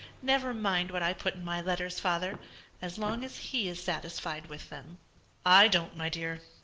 "Never mind what I put in my letters, father, as long as he is satisfied with them." "I don't, my dear.